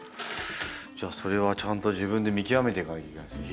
それはちゃんと自分で見極めていかなきゃいけないですね